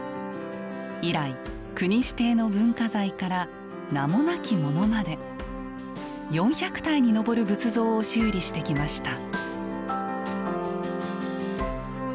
以来国指定の文化財から名もなきものまで４００体に上る仏像を修理してきました。